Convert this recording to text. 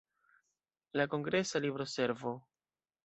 La kongresa libroservo.